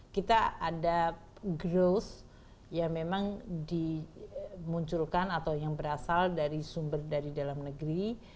kita ada growth yang memang dimunculkan atau yang berasal dari sumber dari dalam negeri